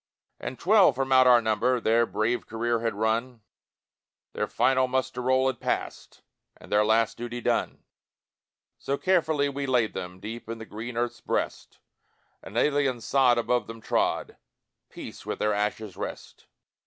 And twelve from out our number Their brave career had run, Their final muster roll had passed, And their last duty done; So carefully we laid them Deep in the green earth's breast, An alien sod above them trod; Peace with their ashes rest!